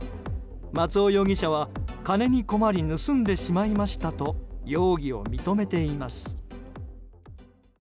松尾容疑者は金に困り盗んでしまいましたと容疑を認めています。